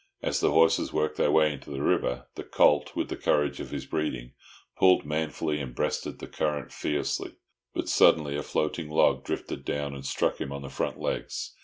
As the horses worked their way into the river, the colt, with the courage of his breeding, pulled manfully, and breasted the current fearlessly. But suddenly a floating log drifted down, and struck him on the front legs.